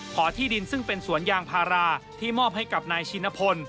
ที่ดินซึ่งเป็นสวนยางพาราที่มอบให้กับนายชินพล